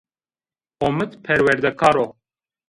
Omid perwerdekar o